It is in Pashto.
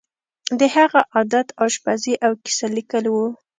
د هغه عادت آشپزي او کیسه لیکل وو